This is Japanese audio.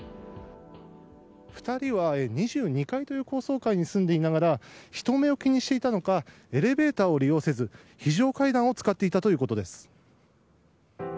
２人は２２階という高層階に住んでいながら人目を気にしていたのかエレベーターを利用せず非常階段を使っていたということです。